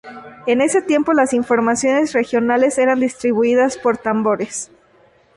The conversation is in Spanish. En ese tiempo las informaciones regionales eran distribuidas por tambores.